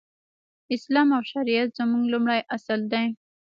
اسلام او شريعت زموږ لومړی اصل دی.